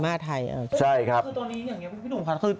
คือตัวนี้อย่างไรครับพี่หนุ่มค่ะ